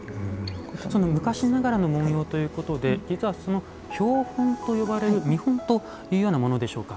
昔ながらの文様ということで実は標本と呼ばれる見本というようなものでしょうか。